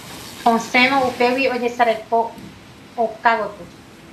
Asẽvo upégui ajesareko oka gotyo.